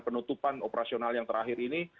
penutupan operasional yang terakhir ini